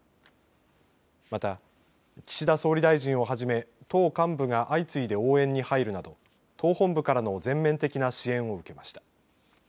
また、岸田総理大臣をはじめ党幹部が相次いで応援に入るなど党本部からの全面的な支援を受けました。